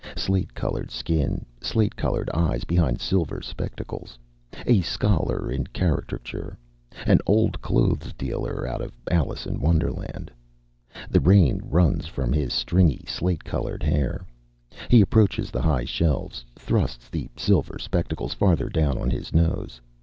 Slate colored skin, slate colored eyes behind silver spectacles. A scholar in caricature, an Old Clothes Dealer out of Alice in Wonderland. The rain runs from his stringy, slate colored hair. He approaches the high shelves, thrusts the silver spectacles farther down on his nose.